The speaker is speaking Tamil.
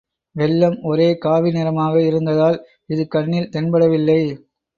வெள்ளம் ஒரே காவி நிறமாக இருந்ததால் இது கண்ணில் தென்படவில்லை.